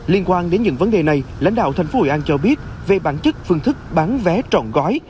lãnh đạo thành phố hội an cho biết về bản chất phương thức bán vé trọn gói